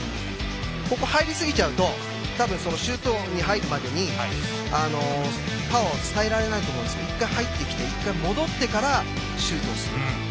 ここに入りすぎるとシュートに入るまでにパワーを伝えられないと思うんですけど１回入ってきて、１回戻ってからシュートする。